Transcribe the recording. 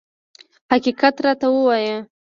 حقیقت راته ووایه.